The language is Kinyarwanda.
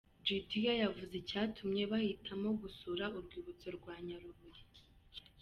Gidia yavuze icyatumye bahitamo gusuura urwibutso rwa Nyarubuye.